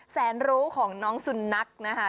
แสนรู้ของน้องสุนัขนะคะ